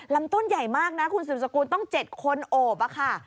ลำต้นใหญ่มากนะคุณสืบสกุลต้อง๗คนโอบอะค่ะ